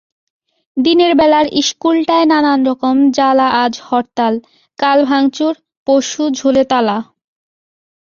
দিনের বেলার ইশকুলটায় নানান রকম জ্বালাআজ হরতাল, কাল ভাঙচুর, পরশু ঝোলে তালা।